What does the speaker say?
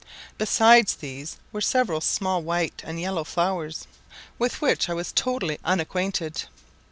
Besides these were several small white and yellow flowers, with which I was totally unacquainted.